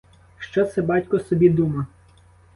Що це батько собі дума?